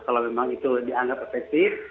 kalau memang itu dianggap efektif